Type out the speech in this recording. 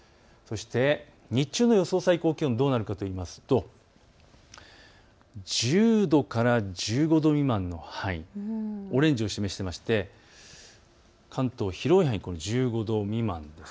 日中の最高気温、どうなるかといいますと１０度から１５度未満の範囲、オレンジを示していまして関東、広い範囲１５度未満です。